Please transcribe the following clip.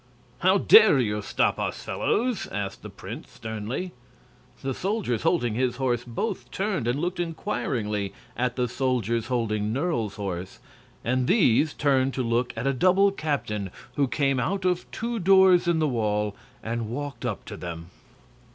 "How dare you stop us, fellows?" asked the prince, sternly. The soldiers holding his horse both turned and looked inquiringly at the soldiers holding Nerle's horse; and these turned to look at a double captain who came out of two doors in the wall and walked up to them.